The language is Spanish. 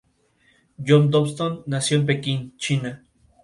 John Dobson nació en Pekín, China.